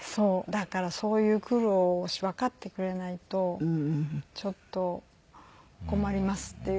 だからそういう苦労をわかってくれないとちょっと困りますっていう事もあるんですね。